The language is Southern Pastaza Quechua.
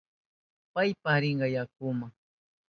Paypas rinka yakuma.